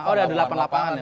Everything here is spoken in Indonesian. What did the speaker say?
oh ada delapan lapangan ya